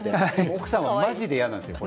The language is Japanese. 奥さんはマジで嫌なんですよ